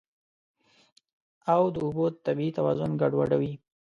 او د اوبو طبیعي توازن ګډوډوي.